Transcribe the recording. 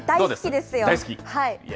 大好きですよ。